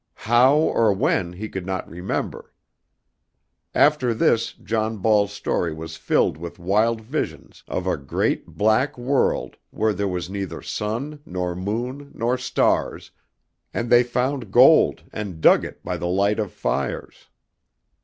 How or when he could not remember. After this John Ball's story was filled with wild visions of a great black world where there was neither sun nor moon nor stars, and they found gold and dug it by the light of fires.